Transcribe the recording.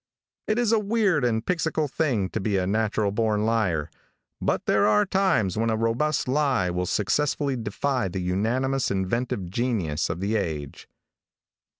It is a weird and pixycal thing to be a natural born liar, but there are times when a robust lie will successfully defy the unanimous inventive genius of the age."